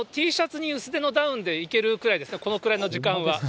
Ｔシャツに薄手のダウンでいけるくらいですね、このくらいの時間は。